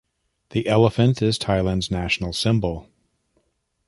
The elephant is Thailand's national symbol.